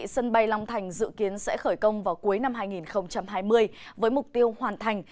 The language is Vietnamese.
sân bay long thành dự kiến sẽ khởi công vào cuối năm hai nghìn hai mươi với mục tiêu hoàn thành